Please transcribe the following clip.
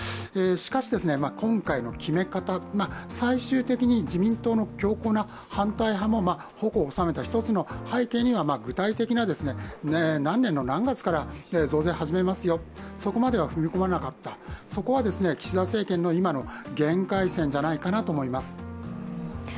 しかし、今回の決め方、最終的に自民党の強硬な反対派も矛を収めた一つの背景には具体的な、何年の何月から増税始めますよ、そこまでは踏み込めなかった、そこは岸田政権の今の限界線じゃないかなと思います。